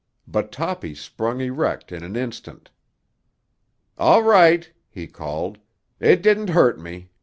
But Toppy sprung erect in an instant. "All right!" he called. "It didn't hurt me.